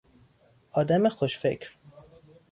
آدم خوش فکر